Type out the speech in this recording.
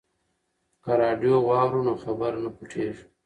که راډیو واورو نو خبر نه پټیږي.